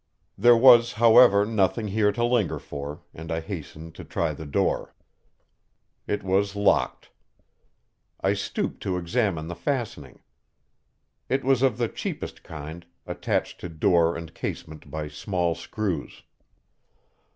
There was, however, nothing here to linger for, and I hastened to try the door. It was locked. I stooped to examine the fastening. It was of the cheapest kind, attached to door and casement by small screws.